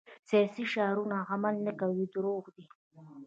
سیاسي شعارونه عمل نه کول دروغ دي.